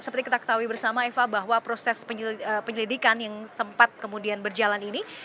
seperti kita ketahui bersama eva bahwa proses penyelidikan yang sempat kemudian berjalan ini